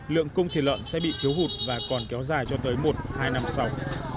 lượng cung thịt lợn sẽ bị thiếu hụt và còn kéo dài cho tới một hai năm sau